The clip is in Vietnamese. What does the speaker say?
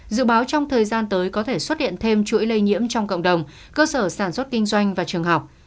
dự báo trong thời gian tới có thể xuất hiện thêm chuỗi lây nhiễm trong cộng đồng cơ sở sản xuất kinh doanh và trường học